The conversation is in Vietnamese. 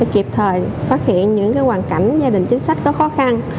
kịp thời phát hiện những hoàn cảnh gia đình chính sách có khó khăn